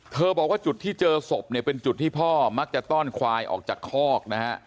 บอกว่าจุดที่เจอศพเนี่ยเป็นจุดที่พ่อมักจะต้อนควายออกจากคอกนะฮะ